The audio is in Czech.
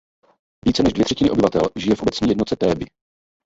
Více než dvě třetiny obyvatel žije v obecní jednotce Théby.